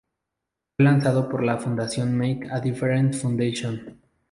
Fue lanzado por la fundación Make a Difference Foundation.